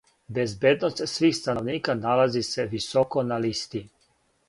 Безбедност свих становника налази се високо на листи.